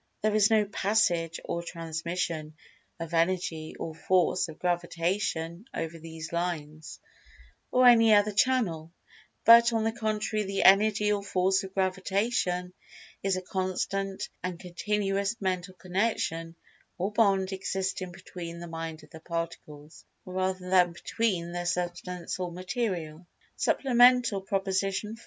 There is no "passage" or "transmission" of Energy or Force of Gravitation over these lines, or any other channel, but, on the contrary the Energy or Force of Gravitation is a constant and continuous Mental Connection or Bond existing between the Mind of the Particles, rather than between their Substance or Material. Supplemental Proposition IV.